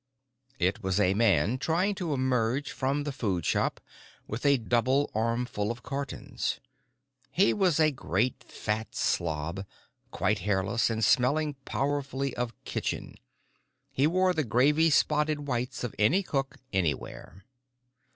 It was a man trying to emerge from the food shop with a double armful of cartons. He was a great fat slob, quite hairless, and smelling powerfully of kitchen. He wore the gravy spotted whites of any cook anywhere.